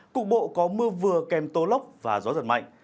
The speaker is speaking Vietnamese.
cục bộ có mưa vừa kèm tô lốc và gió giật mạnh